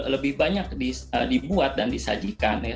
lebih banyak dibuat dan disajikan